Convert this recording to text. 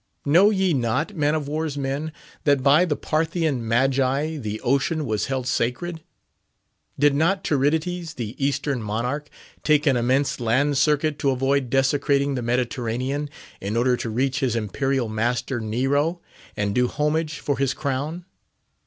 "Know ye not, man of war's men! that by the Parthian magi the ocean was held sacred? Did not Tiridates, the Eastern monarch, take an immense land circuit to avoid desecrating the Mediterranean, in order to reach his imperial master, Nero, and do homage for his crown?"